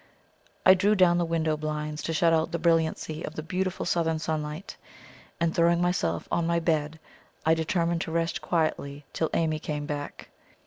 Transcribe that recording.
I drew down the window blinds to shut out the brilliancy of the beautiful Southern sunlight, and throwing myself on my bed I determined to rest quietly till Amy came back.